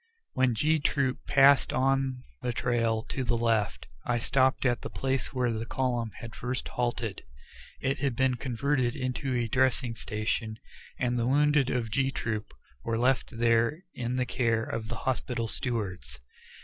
When G Troop passed on across the trail to the left I stopped at the place where the column had first halted it had been converted into a dressing station and the wounded of G Troop were left there in the care of the hospital stewards.